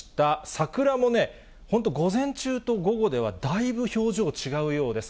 桜もね、本当、午前中と午後ではだいぶ表情、違うようです。